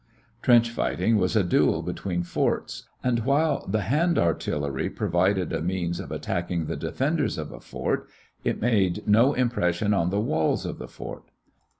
Trench fighting was a duel between forts, and while the hand artillery provided a means of attacking the defenders of a fort, it made no impression on the walls of the fort.